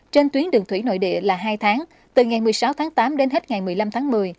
trên tuyến đường thủy nội địa là hai tháng từ ngày một mươi sáu tháng tám đến hết ngày một mươi năm tháng một mươi